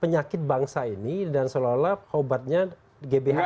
penyakit bangsa ini dan seolah olah obatnya gbh